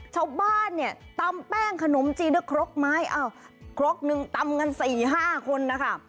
ข้าวบ้านเนี่ยตำแป้งขนมจีนก็คลักไม้เอ้้าคลักนึงตำกัน๔๕คนนะคะ